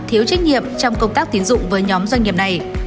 thiếu trách nhiệm trong công tác tín dụng với nhóm doanh nghiệp này